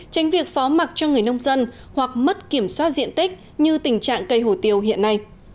tránh việc phó mặt cho người nông dân hoặc mất kiểm soát diện tích như tình trạng cây hổ tiêu hiện nay